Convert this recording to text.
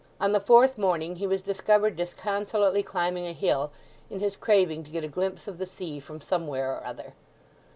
On the fourth morning he was discovered disconsolately climbing a hill, in his craving to get a glimpse of the sea from somewhere or other.